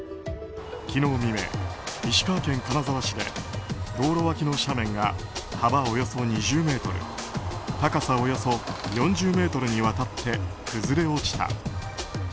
昨日未明、石川県金沢市で道路脇の斜面が幅およそ２０ｍ高さおよそ４０ｍにわたって崩れ落ちた。